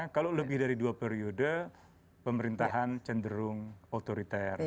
kalau lebih dari dua periode pemerintahan cenderung otoriter